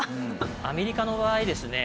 アメリカの場合ですね